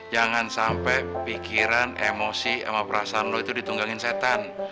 jangan sampai pikiran emosi sama perasaan lo itu ditunggangin setan